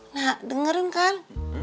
nah dengerin kan